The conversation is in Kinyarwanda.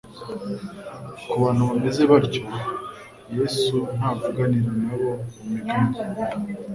Ku bantu bameze baryo, Yesu ntavuganira na bo mu migani.